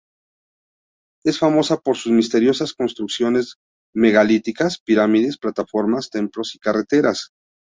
Es famosa por sus misteriosas construcciones megalíticas: pirámides, plataformas, templos y carreteras.